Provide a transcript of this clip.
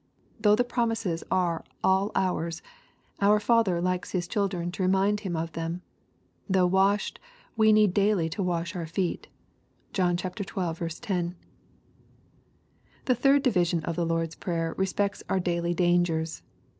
Though the promises are all ours, our Father likes His children to remind Him of them. Though washed, we need daily to wash our feet. (John xii. 10.) The third division of the Lord's Prayer respects our daily dangers.